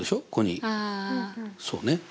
ここにそうね。